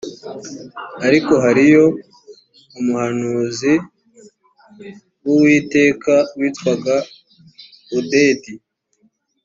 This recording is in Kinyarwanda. ariko hariyo umuhanuzi w’ uwiteka witwaga odedi